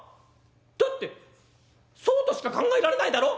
だってそうとしか考えられないだろ？」。